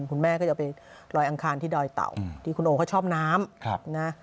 คุณแม่ก็จะไปลอยอังคารที่ดอยเต่าที่คุณโอเขาชอบน้ำนะ